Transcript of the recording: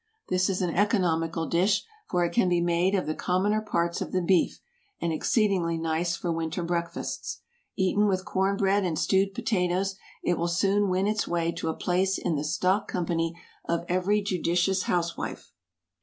This is an economical dish, for it can be made of the commoner parts of the beef, and exceedingly nice for winter breakfasts. Eaten with corn bread and stewed potatoes, it will soon win its way to a place in the "stock company" of every judicious housewife.